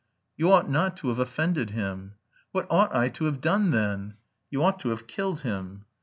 "You ought not to have offended him." "What ought I to have done then?" "You ought to have killed him."